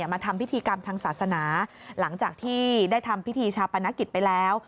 มาทำพิธีกรรมทางศาสนาหลังจากที่ได้ทำพิธีชาปนกิจไปแล้ว